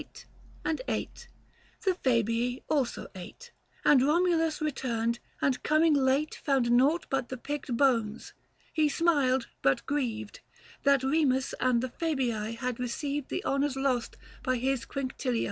He said, and ate ; the Fabii also ate ; And Komulus returned, and coming late 385 Found nought but the picked bones ; he smiled, but grieved That Kemus and the Fabii had received The honours lost by his Quinctilii.